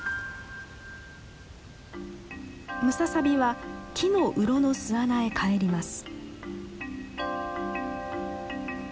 ムササビは木の洞の巣穴へ帰ります。